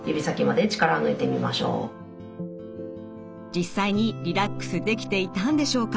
実際にリラックスできていたんでしょうか。